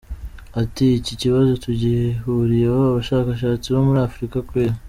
Ati “Iki kibazo tugihuriyeho abashakashatsi bo muri Africa Kweli.